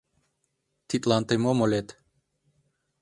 — Тидлан тый мом ойлет?